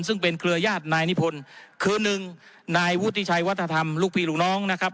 ซึ่งเป็นเครือญาตินายนิพนธ์คือหนึ่งนายวุฒิชัยวัฒนธรรมลูกพี่ลูกน้องนะครับ